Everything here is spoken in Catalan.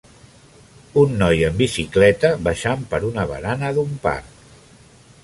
Un noi en bicicleta baixant per una barana d'un parc